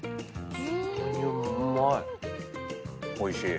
おいしい。